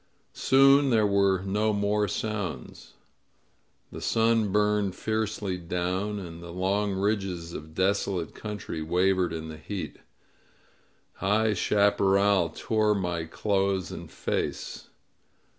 Soon there were no more sounds. The sun burned fiercely down, and the long ridges of desolate country wavered in the heat. High chaparral tore my clothes and face.